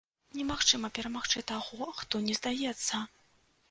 Немагчыма перамагчы таго, хто не здаецца!